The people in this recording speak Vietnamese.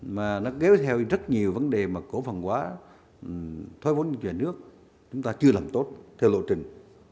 mà nó kéo theo rất nhiều vấn đề mà cổ phần hóa thoái vốn nhà nước chúng ta chưa làm tốt theo lộ trình